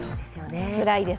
つらいです。